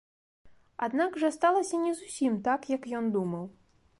Аднак жа сталася не зусім так, як ён думаў.